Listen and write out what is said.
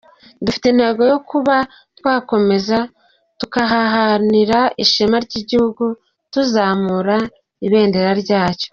Dufite intego yo kuba twakomeza, turaharanira ishema ry’igihugu, tuzamura ibendera ryacyo.